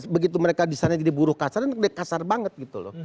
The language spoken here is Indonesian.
begitu mereka disana jadi buruh kasar kan kasar banget gitu loh